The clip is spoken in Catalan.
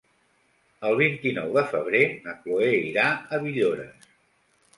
El vint-i-nou de febrer na Chloé irà a Villores.